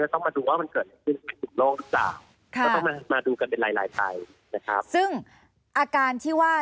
เราต้องมาดูว่ามันเกิดขึ้นเป็นโรคทั้ง๓ก็ต้องมาดูกันเป็นหลายปลายนะครับ